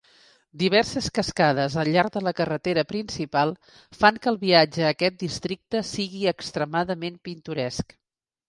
Diverses cascades al llarg de la carretera principal fan que el viatge a aquest districte sigui extremadament pintoresc.